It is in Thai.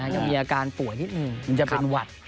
ยังมีอาการป่วยนิดนึงรามวัด